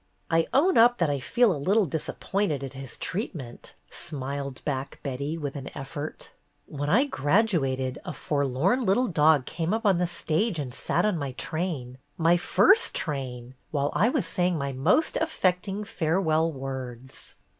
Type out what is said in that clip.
"I own up that I feel a little disappointed at his treatment," smiled back Betty, with an 9 130 BETTY BAIRD'S GOLDEN YEAR effort. ''When I graduated, a forlorn little dog came up on the stage and sat on my train, my first train, while I was saying my most affecting farewell words."